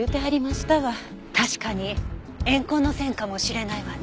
確かに怨恨の線かもしれないわね。